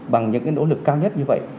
bằng những nỗ lực cao nhất như vậy